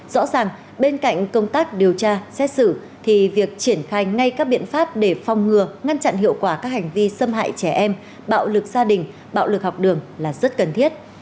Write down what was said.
rõ ràng bên cạnh công tác điều tra xét xử thì việc triển khai ngay các biện pháp để phong ngừa ngăn chặn hiệu quả các hành vi xâm hại trẻ em bạo lực gia đình bạo lực học đường là rất cần thiết